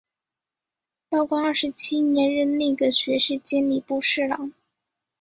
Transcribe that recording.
道光二十七年任内阁学士兼礼部侍郎。